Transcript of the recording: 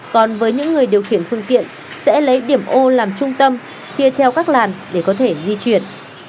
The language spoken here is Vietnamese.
còn với những người điều khiển phương tiện sẽ lấy điểm ô làm trung tâm chia theo các làn để có thể di chuyển